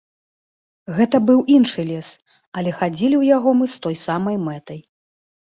Гэта быў іншы лес, але хадзілі ў яго мы з той самай мэтай.